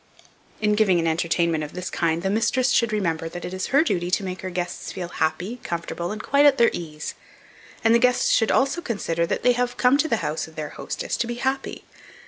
In giving an entertainment of this kind, the mistress should remember that it is her duty to make her guests feel happy, comfortable, and quite at their ease; and the guests should also consider that they have come to the house of their hostess to be happy.